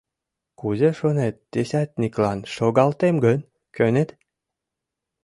Кузе шонет, десятниклан шогалтем гын, кӧнет?